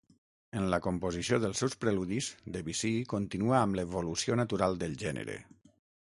En la composició dels seus Preludis, Debussy continua amb l'evolució natural del gènere.